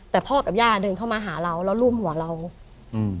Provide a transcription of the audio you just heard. แต่พ่อกับย่าเดินเข้ามาหาเราแล้วลูบหัวเราอืม